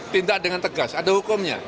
tindak dengan tegas ada hukumnya